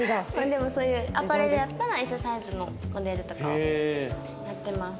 でもそういうアパレルやったらＳサイズのモデルとかをやってます。